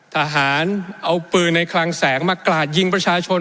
ทหารเอาปืนในคลังแสงมากราดยิงประชาชน